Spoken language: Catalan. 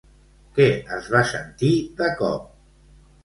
Què es va sentir de cop?